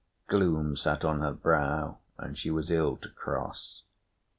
Gloom sat on her brow, and she was ill to cross.